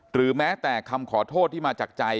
หรือแม้แต่คำขอโทษที่มาจากใจ